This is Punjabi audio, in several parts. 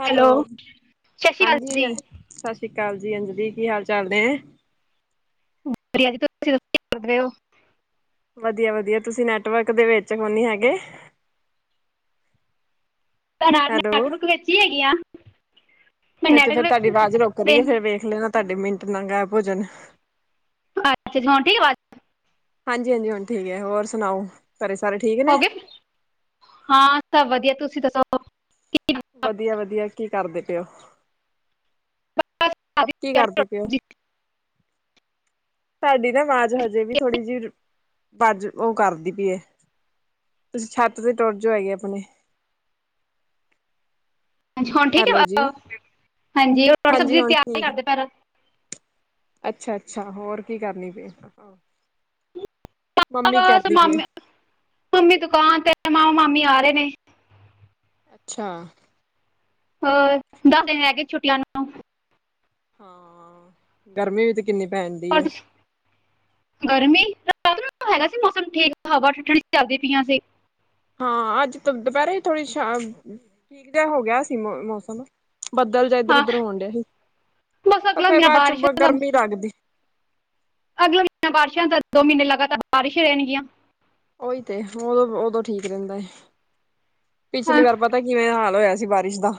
ਹੈਲੋ, ਸਤਿ ਸ਼੍ਰੀ ਅਕਾਲ ਹਾਂਜੀ ਜੀ ਸਤਿ ਸ਼੍ਰੀ ਅਕਾਲ ਜੀ, ਅੰਜਲੀ ਕੀ ਹਾਲ ਚਾਲ ਨੇ? ਵਧੀਆ ਜੀ ਤੁਸੀਂ ਦੱਸੋ [unintelligible] ਵਧੀਆ ਵਧੀਆ ਤੁਸੀਂ ਨੈਟਵਰਕ ਦੇ ਵਿੱਚ ਕੋਨੀ ਹੈਗੇ। ਤੁਹਾਡਾ ਹੈਲੋ ਨੈਟਵਰਕ ਵਿੱਚ ਹੀ ਹੈਗੀ ਆ ਮੈਂ ਵਿੱਚ ਫੇਰ ਤੁਹਾਡੀ ਨੈਟਵਰਕ ਆਵਾਜ਼ ਰੋਕ ਤੇ ਰਹੀ ਏ ਫੇਰ ਵੇਖ ਲੈਣਾ ਤੁਹਾਡੇ ਮਿੰਟ [unintelligible] ਅੱਛਾ ਜੀ ਹੁਣ ਆਉਂਦੀ ਆਵਾਜ਼ ਹਾਂਜੀ, ਹਾਂਜੀ ਹੁਣ ਠੀਕ ਏ ਹੋਰ ਸੁਣਾਓ ਘਰੇ ਸਾਰੇ ਠੀਕ ਨੇ ਹੋਗੇ ਹਾਂ ਸਭ ਵਧੀਆ ਤੁਸੀਂ ਦੱਸੋ? ਵਧੀਆ, ਵਧੀਆ ਕੀ ਕਰਦੇ ਪਏ ਓ ਬਸ ਸਾਡੀ ਕੀ ਤਿਆਰੀ ਕਰਦੇ ਰੋਟੀ ਪਏ ਓ ਸਬਜ਼ੀ ਤੁਹਾਡੀ ਨਾ ਆਵਾਜ਼ ਹਜੇ ਵੀ ਦੀ ਥੋੜ੍ਹੀ ਜਿਹੀ ਵਜ ਉਹ ਕਰਦੀ ਪਈਏ ਤੁਸੀਂ ਛੱਤ ਤੇ ਟੁਰ ਜਾਓ ਹੈਗੇ ਆਪਣੇ ਹਾਂਜੀ ਹੁਣ ਠੀਕ ਐ ਹੈਲੋ ਜੀ ਹਾਂਜੀ ਉਹ ਰੋਟੀ ਹਾਂਜੀ ਸਬਜ਼ੀ ਹੁਣ ਤਿਆਰ ਹੀ ਠੀਕ ਕਰਦੇ ਪ ਅੱਛਾ, ਅੱਛਾ ਹੋਰ ਕੀ ਕਰਨੀ ਪਏ ਬਸ ਪਈ ਏ। ਮਾਮੇ ਮੰਮੀ ਦੁਕਾਨ ਤੇ ਮਾਮਾ, ਮਾਮੀ ਆ ਰਹੇ ਨੇ ਅੱਛਾ ਹੋਰ ਦਸ ਦਿਨ ਰਹਿ ਗਏ ਛੁੱਟੀਆਂ ਨੂੰ ਹਾਂ ਗਰਮੀ ਵੀ ਤੇ ਕਿੰਨੀ ਪੈਣ‌ ਡਈ ਏ ਪਰ ਗਰਮੀ ਰਾਤ ਨੂੰ ਤਾਂ ਹੈਗਾ ਸੀ ਮੌਸਮ ਠੀਕ ਹਵਾ ਠੰਢੀ ਚੱਲਦੀ ਪਈਆਂ ਸੀ ਹਾਂ ਅੱਜ ਦੁਪਹਿਰੇ ਥੋੜ੍ਹੀ ਛਾਂ ਅ ਠੀਕ ਜਿਹਾ ਹੋ ਗਿਆ ਸੀ ਮ ਮੌਸਮ ਬੱਦਲ ਜਾ ਇੱਧਰ ਹਾਂ ਉਧਰ ਹੋਣ ਡਿਆ ਸੀ ਬਸ ਅਗਲਾ ਫੇਰ ਮਹੀਨਾ ਬਾਅਦ ਚੋ ਬਾਰਿਸ਼ ਗਰਮੀ ਲੱਗਦੀ ਅਗਲਾ ਮਹੀਨਾਂ ਬਾਰਿਸ਼ਾਂ ਦਾ ਦੋ ਮਹੀਨੇ ਲਗਾਤਾਰ ਬਾਰਿਸ਼ਾਂ ਹੀ ਰਹਿਣਗੀਆਂ ਉਹੀ ਤੇ ਉਦੋਂ ਉਦੋਂ ਠੀਕ ਰਹਿੰਦਾ ਏ ਹਾਂ ਪਿਛਲੀ ਵਾਰ ਪ ਪਤਾ ਕਿਵੇਂ ਹਾਲ ਹੋਇਆ ਸੀ ਬਾਰਿਸ਼ ਦਾ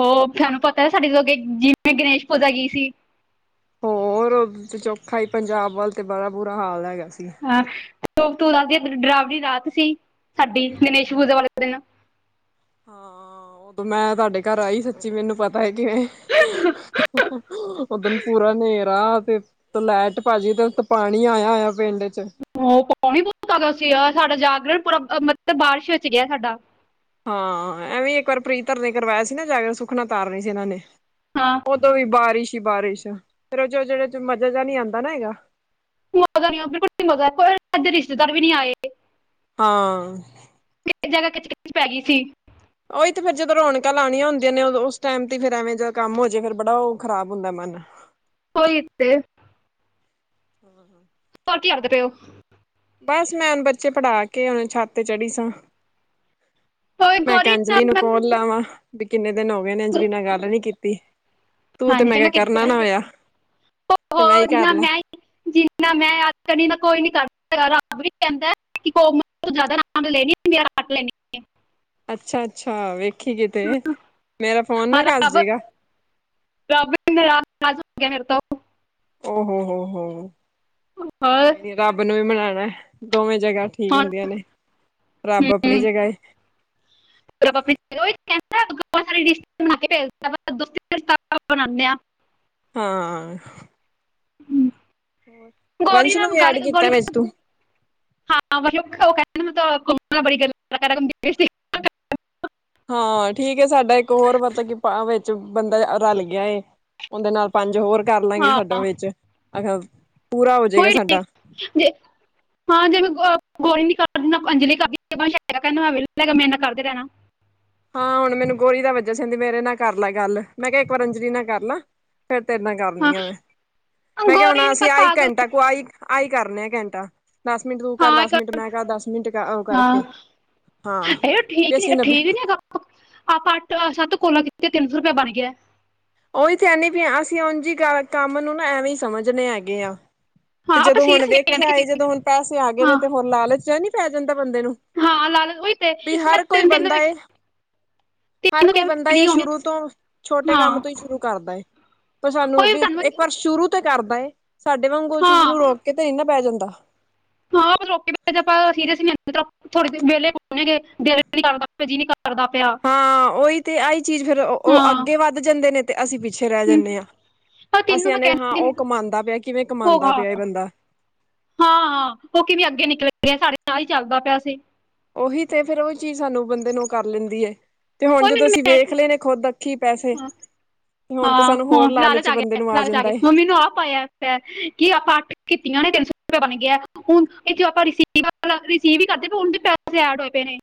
ਹੋ ਸਾਨੂੰ ਪਤਾ ਸਾਡੇ ਤੋਂ ਅੱਗੇ ਜਿਵੇਂ ਗਣੇਸ਼ ਪੂਜਾ ਗਈ ਸੀ ਹੋਰ ਤੇ ਚੋਖਾ ਹੀ ਪੰਜਾਬ ਵੱਲ ਤੇ ਬੜਾ ਬੁਰਾ ਹਾਲ ਹੈਗਾ ਸੀ ਹਾਂ [unintelligible] ਡਰਾਵਲੀ ਰਾਤ ਸੀ ਸਾਡੀ ਗਨੇਸ਼ ਪੂਜਾ ਵਾਲੇ ਦਿਨ ਹਾਂ ਉਦੋਂ ਮੈਂ ਤੁਹਾਡੇ ਘਰ ਆਈ ਸੱਚੀ ਮੈਨੂੰ ਪਤਾ ਹੈ ਕਿਵੇਂ ਉਦਨ ਪੂਰਾ ਨੇਰਾ ਆ ਤੇ ਉਤੋ ਲਾਈਟ ਭੱਜਗੀ ਤੇ ਉਤੋਂ ਪਾਣੀ ਆਇਆ ਹੋਇਆ ਪਿੰਡ ਚ ਹੋਅ ਪਾਣੀ ਬਹੁਤ ਆ ਗਿਆ ਸੀ ਯਾਰ ਸਾਡਾ ਜਾਗਰਣ ਪੂਰਾ ਮਤਲਬ ਬਾਰਿਸ਼ ਵਿੱਚ ਗਿਆ ਸਾਡਾ ਹਾਂ ਐਵੇਂ ਇੱਕ ਵਾਰ ਪ੍ਰੀਤ ਹਰ ਨੇ ਕਰਵਾਇਆ ਸੀ ਨਾ ਜਾਗਰਣ ਸੁੱਖਨਾ ਤਾਰਨੀ ਸੀ ਇਹਨਾਂ ਨੇ ਹਾਂ ਉਦੋਂ ਵੀ ਬਾਰਿਸ਼ ਹੀ ਬਾਰਿਸ਼ ਫਿਰ ਉਹ ਜੋ ਜਿਹੜੇ ਚ ਮਜਾ ਜਾ ਨੀ ਆਂਦਾ ਨੀ ਹੈਗਾ ਮਜਾ ਨਹੀਂ ਆਇਆ ਬਿਲਕੁਲ ਵੀ ਮਜਾ ਕੋਈ ਸਾਡੇ ਰਿਸ਼ਤੇਦਾਰ ਵੀ ਨੀ ਆਏ ਹਾਂ ਜ਼ਿਆਦਾ ਕਿਚ ਕਿਚ ਪੈ ਗਈ ਸੀ ਉਹੀ ਤੇ ਫੇਰ ਜਦੋਂ ਰੌਣਕਾਂ ਲਾਣੀਆਂ ਹੁੰਦੀਆਂ ਨੇ ਉਦੋਂ ਉਸ ਟਾਈਮ ਤੇ ਫੇਰ ਐਵੇਂ ਜਾਂ ਕੰਮ ਹੋ ਜੇ ਫਿਰ ਬੜਾ ਉਹ ਖਰਾਬ ਹੁੰਦਾ ਮਨ ਉਹੀ ਤੇ ਹਾਂ, ਹਾਂ ਹੋਰ ਕੀ ਕਰਦੇ ਪਏ ਓ ਬਸ ਮੈਂ ਹੁਣ ਬੱਚੇ ਪੜ੍ਹਾ ਕੇ ਉਨ੍ਹਾਂ ਛੱਤ ਤੇ ਚੜ੍ਹੀ ਸਾਂ ਕੋਈ ਮੈਂ ਕਿਹਾ ਗੋਰੀ ਨਾਲ ਅੰਜਲੀ ਨੂੰ ਕੋਲ ਲਾਵਾਂ ਵੀ ਕਿੰਨੇ ਦਿਨ ਹੋ ਗਏ ਨੇ ਮੈਂ ਅੰਜਲੀ ਨਾਲ ਗੱਲ ਨੀ ਕੀਤੀ ਤੂੰ ਤੇ ਹਾਂਜੀ ਮੈਂ ਕਿਹਾ ਚੰਗਾ ਕੀਤਾ ਕਰਨਾ ਨਾ ਹੋਇਆ ਉਹ ਤੇ ਮੈਂ ਹੋ ਹੀ ਕਰ ਜਿਨ੍ਹਾਂ ਲਾਂ ਮੈਂ ਜਿੰਨਾ ਮੈਂ ਯਾਦ ਕਰਨੀ ਕੋਈ ਨੀ ਕਰਦਾ ਰੱਬ ਵੀ ਕਹਿੰਦਾ ਕਿ ਕ [unintelligible] ਅੱਛਾ-ਅੱਛਾ ਵੇਖੀ ਕਿਤੇ, ਮੇਰਾ ਫੋਨ ਹਾਂ ਨਾ ਕਸ ਰੱਬ ਜੇਗਾ। [inaudible] ਓਹ ਹੋ ਹੋ ਹੋ, ਹੋਰ ਕੋਈ ਨੀ ਰੱਬ ਨੂੰ ਵੀ ਮਨਾਉਣਾ। ਦੋਵੇਂ ਜਗ੍ਹਾ ਠੀਕ ਹੁਣ ਹੁੰਦੀਆਂ ਨੇ ਰੱਬ ਆਪਣੀ ਜਗ੍ਹਾ ਏ। [inaudible] ਹਰੀਸ਼ ਨੂੰ ਬਣਾ ਕੇ ਭੇਜ ਦੋ [unintelligible] ਬਣਾਣੇ ਆ। ਹਾਂ। ਹਮ, ਗੌਰੀ ਵੰਸ਼ ਨੂੰ ਨਾਲ ਵੀ ਗੱਲ ਐਡ ਕੀਤਾ ਗੌਰੀ ਵਿਚ ਤੂੰ? ਹਾਂ ਮਤਲਬ ਕੋ [unintelligible] ਬੜੀ ਗਰਮੀ ਵਗੈਰਾ ਹੁੰਦੀ ਪ‌ਈ ਸੀ। ਹਾਂ ਠੀਕ ਐ ਸਾਡਾ ਇੱਕ ਹੋਰ ਪਤਾ ਕਿ ਭਾ ਵਿੱਚ ਬੰਦਾ ਰਲ ਗਿਆ ਏ। ਉਹਦੇ ਨਾਲ ਪੰਜ ਹੋਰ ਕਰਲਾਂਗੇ ਸਾਡਾ ਹਾਂ ਵਿੱਚ ਆਹ ਪੂਰਾ ਹੋ ਜਏਗਾ ਹੋਈ ਸਾਡਾ। [inaudible] ਹਾਂ ਜਿਵੇਂ ਗੋ ਗੌਰੀ ਨੀ ਕਰਦੀ ਨਾ ਅੰਜਲੀ ਕਰਦੀ ਵੰਸ਼ ਕਹਿੰਦਾ ਮੈਂ ਕਿਹਾ ਮੇਰੇ ਨਾਲ ਕਰਦੇ ਰਹਿਣਾ। ਹਾਂ ਹੁਣ ਮੈਨੂੰ ਗੌਰੀ ਦਾ ਵਜਾ ਸੀ ਕਹਿੰਦੀ ਮੇਰੇ ਨਾਲ ਕਰਲੈ ਗੱਲ ਮੈਂ ਕਿਹਾ ਇੱਕ ਵਾਰ ਅੰਜਲੀ ਨਾਲ ਕਰਲਾ। ਫੇਰ ਤੇਰੇ ਨਾਲ ਕਰ ਹਾਂ ਹੁਣੀ ਆ ਮੈਂ, ਮੈਂ ਕਿਹਾ ਹੁਣ ਗੋਰੀ ਨੀ ਅਸੀਂ ਆਹੀ ਪਾਗਲ ਘੰਟਾ ਕੁ ਆਈ ਆਹੀ ਕਰਨਾ ਐ ਘੰਟਾ। ਦਸ ਮਿੰਟ ਤੂੰ ਕਰ ਹਾਂ ਇੱਕ ਦਸ ਮਿੰਟ ਮੈਂ ਕਰ ਦਸ ਮਿੰਟ ਅ ਹਾਂ ਕਰਕੇ। ਹਾਂ ਇਹ ਤੇ ਠੀਕ ਨੀ ਅੱਸੀ-ਨੱਬੇ ਠੀਕ ਨੀ ਹੈਗਾ ਆਪਾਂ ਅੱਠ-ਸੱਤ ਕੋਲਾ ਕੀਤੀਆ ਤਿੰਨ ਸੌ ਰੁਪਿਆ ਬਣ ਗਿਆ। ਉਹੀ ਤੇ ਹੈਨੀ ਵੀ ਅਸੀਂ ਉਂਝ ਹੀ ਕਰ ਕੰਮ ਨੂੰ ਨਾ ਐਵੇਂ ਹੀ ਸਮਝਦੇ ਹੈਗੇ ਆ। ਤੇ ਹਾਂ ਆਪਾਂ ਜਦੋਂ ਹੁਣ ਸੀਰੀਅਸ ਨਹੀਂ ਕਹਿੰਦੇ ਵੇਖਿਆ ਐ ਕਿਸੇ ਜਦੋਂ ਹੁਣ ਪੈਸੇ ਆ ਗਏ ਨੇ ਹਾਂ ਤੇ ਹੁਣ ਲਾਲਚ ਜਾਂ ਨੀ ਪੈ ਜਾਂਦਾ ਬੰਦੇ ਨੂੰ। ਹਾਂ ਲਾਲਚ ਉਹੀ ਤੇ ਵੀ ਮੈਂ ਹਰ ਕੋਈ ਤਿੰਨ-ਤਿੰਨ ਅ ਬੰਦਾ ਏ ਹਰ ਕੋਈ ਬੰਦਾ ਏ ਹੋਣੀ ਸ਼ੁਰੂ ਤੋਂ ਛੋਟੇ ਹਾਂ ਕੰਮ ਤੋਂ ਹੀ ਸ਼ੁਰੂ ਕਰਦਾ ਏ। ਪਰ ਸਾਨੂੰ ਉਹੀ ਵੀ ਤੁਹਾਨੂੰ ਇੱਕ ਮੈਂ ਵਾਰ ਸ਼ੁਰੂ ਤੇ ਕਰਦਾ ਏ ਸਾਡੇ ਵਾਂਗ ਉਹ ਚੀਜ਼ ਨੂੰ ਹਾਂ ਰੋਕ ਕੇ ਤੇ ਨੀ ਨਾ ਪੈ ਜਾਂਦਾ। ਹਾਂ ਪਰ ਲੋਕੀ [unintelligible] ਜੇ ਆਪਾਂ ਸੀਰੀਅਸ [unintelligible] ਥੋੜੇ ਦਿਨ ਵਿਹਲੇ ਘੁੰਮਣੇ ਗ‌ਏ ਫੇਰ ਜੀ ਨੀ ਕਰਦਾ। ਕਰਦਾ ਪਿਆ। ਹਾਂ ਉਹੀ ਤੇ ਆਹੀ ਚੀਜ਼ ਫੇਰ ਓ ਉਹ ਹਾਂ ਅੱਗੇ ਵੱਧ ਜਾਂਦੇ ਨੇ। ਤੇ ਅਸੀਂ ਪਿੱਛੇ ਰਹਿ ਹਮ, ਜਾਣੇ ਆ ਉਹ ਅਸੀਂ ਤੈਨੂੰ ਮੈਂ ਆਣੇ ਆ ਹਾਂ ਕਹਿੰਦੀ ਉਹ ਨੀ, ਕਮਾਉਂਦਾ ਪਿਆ ਕਿਵੇਂ ਕਮਾਉਂਦਾ ਹੋਗਾ ਪਿਆ ਏ ਬੰਦਾ। ਹਾਂ ਉਹ ਕਿਵੇਂ ਅੱਗੇ ਨਿਕਲ ਗਿਆ ਸਾਡੇ ਆਹੀ ਚੱਲਦਾ ਪਿਆ ਸੀ। ਉਹੀ ਤੇ ਫੇਰ ਉਹੀ ਚੀਜ਼ ਸਾਨੂੰ ਬੰਦੇ ਨੂੰ ਕਰ ਲੈਂਦੀ ਏ। ਤੇ ਹੁਣ ਉਹ ਜਦੋਂ ਮੈਨੂੰ ਅਸੀਂ ਮੈਂ ਵੇਖ ਲਏ ਨੇ ਖ਼ੁਦ ਅੱਖੀ ਪੈਸੇ ਹਾਂ ਤੇ ਹੁਣ ਤੇ ਹਾਂ ਸਾਨੂੰ ਹੋਰ ਹੁਣ ਲਾਲਚ ਆ ਬੰਦੇ ਗਿਆ ਨੂੰ ਲਾਲਚ ਆ ਜਾਂਦਾ ਗਿਆ ਏ। ਮੰਮੀ ਨੂੰ ਆਪ ਆਇਆ। ਕੀ ਆਪਾਂ ਅੱਠ ਕੀਤੀਆਂ ਨੇ ਤਿੰਨ ਸੌ ਰੁਪਇਆ ਬਣ ਗਿਆ। ਹੁਣ ਇੱਥੇ ਆਪਾਂ ਰਿਸੀਵ ਆਪਾਂ ਰਿਸੀਵ ਹੀ ਕਰਦੇ ਪ‌ਏ ਆ ਹੁਣ ਵੀ ਪੈਸੇ ਐਡ ਹੋਏ ਪਏ ਨੇ।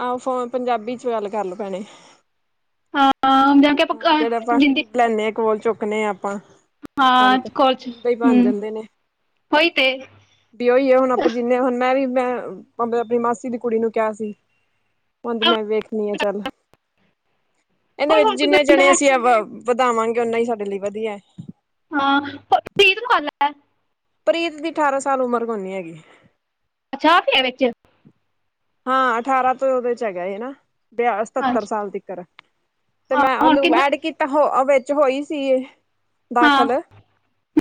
ਆਹੋ ਫੋਨ ਪੰਜਾਬੀ ਚ ਗੱਲ ਕਰਲੋ ਭੈਣੇ। ਹਾਂ। ਕਿ ਆਪਾਂ ਹਾਂ ਅਹ, ਜਿਹੜਾ ਆਪਾਂ ਜਿੰਦੀ ਲੈਣੇ ਆ ਕੋਲ ਚੁੱਕਣੇੇ ਆ ਆਪਾਂ। ਹਾਂ ਕਲਕ ਕਾਲ ਚ ਉਹਦੇ ਹੀ ਬਣ ਹੂੰ ਜਾਂਦੇ ਨੇ। ਹੋਈ ਤੇ ਬੀ ਓਹੀ ਆ ਹੁਣ ਆਪਾਂ ਜਿੰਨੇ ਹੁਣ ਮੈਂ ਵੀ ਮੈਂ ਆਪਣੀ ਮਾਸੀ ਦੀ ਕੁੜੀ ਨੂੰ ਕਿਹਾ ਸੀ। ਉਹ ਕਹਿੰਦੀ ਅਹ, ਮੈਂ ਵੇਖਦੀ ਆ ਚੱਲ। ਇਹਦੇ ਹੋਰ ਵਿੱਚ ਹੋਰ ਕੋਈ ਜਿੰਨੇ ਬੰਦਾ ਜਣੇ ਹੈ ਅਸੀਂ ਅਹ ਵਧਾਵਾਂਗੇ ਓਨਾ ਹੀ ਸਾਡੇ ਲਈ ਵਧੀਐ। ਹਾਂ, ਪ੍ਰੀਤ ਨੂੰ ਕਰਲੈ। ਪ੍ਰੀਤ ਦੀ ਅਠਾਰਾਂ ਸਾਲ ਉਮਰ ਕੋਨੀ ਹੈਗੀ। ਜਾ ਪਿਆ ਵਿੱਚ ਹਾਂ ਅਠਾਰਾਂ ਤੋਂ ਉਹਦੇ ਚ ਹੈਗਾ ਏ ਨਾ। ਵਿਆ ਸਤੱਤਰ ਹਾਂਜੀ ਸਾਲ ਤੱਕਰ ਤੇ ਹਾਂ ਮੈਂ ਹੁਣ ਉਹਨੂੰ ਕਿੰਨਾ ਐਡ ਕੀਤਾ ਹੋ ਵਿੱਚ ਹੋਈ ਸੀ ਇਹ। ਹਾਂ ਦਾਖਲ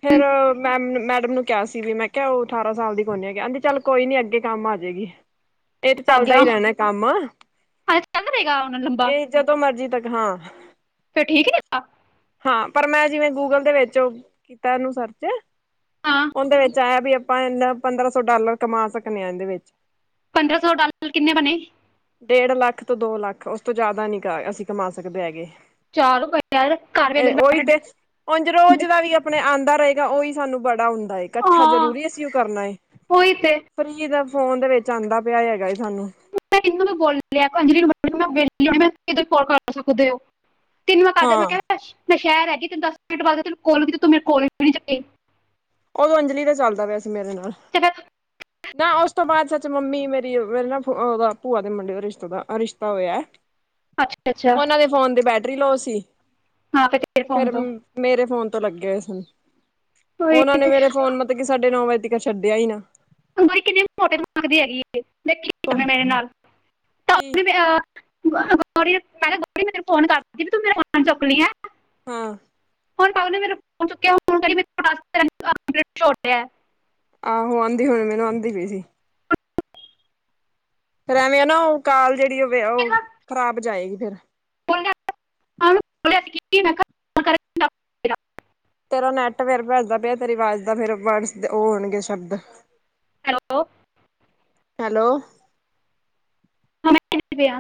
ਫੇਿਰ ਮੈਮ ਮੈਡਮ ਨੂੰ। ਕੇਆ ਸੀ ਵੀ ਮੈਂ ਕੇਆ ਓ ਅਠਾਰਾਂ ਸਾਲ ਦੀ ਕੋਈਨੀ ਹੈਗੀ, ਐਂਦੀ ਚੱਲ ਕੋਈ ਨੀ ਅੱਗੇ ਕਾੰਮ ਆ ਜੇਗੀ। ਏ ਤੇ ਆ ਚੱਲਦਾ ਗਿਆ ਈ ਹਾਂ ਰੈਨੈ ਕਾੰਮ, ਚੱਲ ਰਹੇਗਾ ਹੁਣ ਲੰਬਾ ਏ ਜਦੋਂ ਮਰਜੀ ਤੱਕ, ਹਾਂ। ਫੇਰ ਠੀਕ ਨੀ ਹੈਗਾ। ਹਾਂ ਪਰ ਮੈਂ ਜਿਵੇਂ ਗੂਗਲ ਦੇ ਵੇੱਚ ਕੀਤਾ ਐਨੂੰ ਸਰਚ ਹਾਂ ਓਂਦੇ ਵੇੱਚ ਆਏਆ ਵੀ ਅਪਾਂ ਏਨਾੱ ਪੰਦਰਾਂ ਸੌ ਡਾਲਰ ਕਮਾ ਸਕਨੇ ਆਂ ਏਂਦੇ ਵੇੱਚ। ਪੰਦਰਾਂ ਸੌ ਡਾਲਰ ਕਿੰਨੇ ਬਨੇ? ਡੇਡ ਲਾੱਖ ਤੋ ਦੋ ਲਾੱਖ, ਓਸ ਤੋ ਜਾਦਾ ਨੀ ਕਾ ਅਸੀ ਕਮਾ ਸਕਦੇ ਹੈਗੇ। ਚਾਰ ਬਜਨ। ਐ ਓਈ ਤੇ, ਉਂਝ ਰੋਜ ਦਾ ਵੀ ਅਪਨੇ ਆਂਦਾ ਰਏਗਾ, ਓਵੀ ਸਾਨੂੰ ਬੜਾ ਹੂੰਦਾ ਏ। ਕੱਠਾ ਹਾਂ ਜਰੂਰੀ ਅਸੀ ਓ ਕਰਨਾ ਏ, ਉਹੀ ਤੇ ਫ੍ਰੀ ਦਾ ਫੋਨ ਦੇ ਵੇੱਚ ਆਂਦਾ ਪੇਆਏ ਹੈਗਾ ਸਾਨੂੰ। ਮੈਂ ਇਨੂੰ ਤਾ ਬੋਲੇਆ, ਅੰਜਲੀ [unintelligible] ਕੋਲ ਕਾਰ ਸਕਦੇ ਓ। ਤਿਨੂ ਮੈਂ ਕਰ ਹਾਂ ਮੈਂ ਕੇਐ ਮੈਂ ਸੈ਼ਹਰ ਹੈਗੀ ਤੇ ਦਾੱਸ ਮਿੰਟ ਬਾਦ ਤੈਨੂੰ ਕੋਲ ਕੀਤੀ, ਤੂ ਮੇਰੀ ਕੋਲ ਵੀ ਨੀ ਚੱਕੀ? ਓਦੋ ਅੰਜਲੀ ਦੇ ਸਭ ਦਾ ਪੇਆ ਸੀ ਮੇਰੇ ਨਾਲ। ਖ਼। ਨਾ ਓਸ ਤੋ ਬਾਦ ਸੱਚ ਮੰਮੀ ਮੇਰੀ, ਮੇਰੇ ਨਾ ਫ ਓਦਾ ਭੂਆ ਦੇ ਮੁੰਡੇ ਦਾ ਰਿਸ਼ਤੇ ਦਾ ਆ ਰਿਸ਼ਤਾ ਹੋਏਐ। ਅੱਛਾ, ਅੱਛਾ। ਫੋਨ ਦੀ ਬੈਟਰੀ ਲੋਅ ਸੀ, ਹਾਂ ਫਿਰ ਤੇਰੇ ਫੋਨ ਫੇਰ ਤੋਂ ਮੇਰੇ ਫੋਨ ਤੋ ਲੱਗੇ ਹੋਏ ਸੀ। ਓਏ ਓਨਾਂ ਨੇ ਮੇਰੇ ਫ਼ੋਨ ਮਤਬ ਕਿ ਸਾਡੇ ਨੌ ਵਜੇ ਤਿਕਨ ਛੱਡੇਆ ਈ ਨਾ। ਹੂਨ ਬਈ ਕਿੰਨੇ ਮੋਟੇ ਦਮਾਗ ਦੀ ਹੈਗੀ ਏ, ਦੇਖ ਕੀ ਕਰਨੈ ਮੇਰੇ ਨਾਲ [unintelligible] ਕੀ [unintelligible] ਮੈਂ ਤੇਰੇ ਫੋਨ ਕਾਰ ਰੀ ਸੀ ਵੀ ਤੂੰ ਮੇਰਾ ਫੋਨ ਚੁੱਕਣੀ ਐਂ। ਹਾਂ। ਫੋਟ ਪਾਪਾ ਨੇ ਮੇਰਾ ਫੋਨ ਚੁੱਕਿਆ। ਆਹੋ ਆ੍ਹਂਦੀ ਹੁਣੇ ਮੈਨੂੰ ਆ੍ਹਂਦੀ ਪੀ ਸੀ। ਫੇਰ ਐਵੇਂ ਐ ਨਾ ਓ ਕਾਲ ਜੇੜੀ ਓ ਵੇ ਮੈਂ ਓ ਤੁਹਾਡਾ ਛੋੜਿਆ ਖ਼ਰਾਬ ਜਾਏਗੀ ਫੇਰ। [unintelligible] ਤੇਰਾ ਨੈੱਟ ਫੇਰ ਭੱਜਦਾ ਪੇਆ, ਤੇਰੀ ਵਾਜ ਦਾ ਫੇਰ ਵਰਡਸ ਓ ਹੋਨਗੇ ਸ਼ਬਦ। ਹੈਲੋ। ਹੈਲੋ। ਹਮੇਂ ਪਿਆ।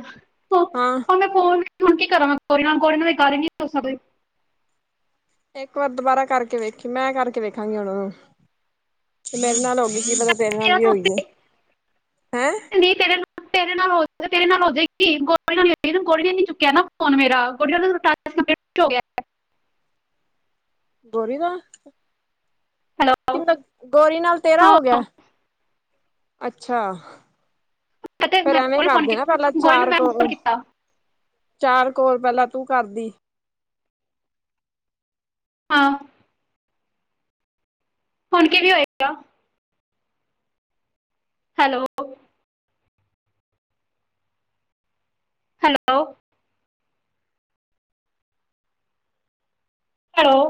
ਹਾਂ। ਉਹ ਮੈਂ ਫੋਨ ਹੁਣ ਕੀ ਕਰਾਂ ਕੋਈ ਨਾਲ ਕੋਈ ਗਾੱਲ ਈ ਨੀ ਹੋ ਸਕਦੀ। ਇੱਕ ਵਾਰ ਦੁਬਾਰਾ ਕਾਰਕੇ ਵੇਖੀ, ਮੈਂ ਕਾਰਕੇ ਵੇਖਾਂਗੀ ਹੂਣ, ਤੇ ਮੇਰੇ ਨਾਲ ਹੋਗੀ ਕੀ ਪਤਾ ਤੇਰੇ ਨਾਲ ਕਿਆ। ਵੀ ਹੋਈ ਜੇ ਹੈਂ ਤੇਰੇ ਨਾਲ ਹੋ, ਤੇਰੇ ਨਾਲ ਹੋ ਜੇਗੀ ਗੋਰੀ ਨਾਲ ਨੀ ਹੋਈ, ਗੋਰੀ ਨੇ ਨੀ ਚੁੱਕੇਆ ਨਾ ਫੋਨ ਮੇਰਾ। ਕੰਪਲੀਟ ਹੋ ਗਿਆ ਗੋਰੀ ਦਾ ਹੈਲੋ ਕਿਂਦਾ ਗੋਰੀ ਨਾਲ ਤੇਰਾ ਹੋ ਗੇਆ? ਹਾਂ ਅੱਛਾ। ਅਤੇ ਫੇਰ ਮੈਂ ਐਵੇਂ ਗੋਰੀ ਫੋਨ ਕਾਰਦੇ ਨਾ ਪ੍ਹੈਲਾਂ ਕੀਤਾ ਗੋਰੀ ਨੂੰ ਚਾਰ ਮੈਂ ਫੋਨ ਕੋਲਾਂ ਕੀਤਾ ਚਾਰ ਕੋਲ ਪੈਹਲਾਂ ਤੂੰ ਕਾਰਦੀ। ਹਾਂ। ਹੁਨ ਕਿਵੇਂ ਹੋਏਗਾ? ਹੈਲੋ। ਹੈਲੋ। ਹੈਲੋ।